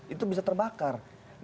itu bisa terbakar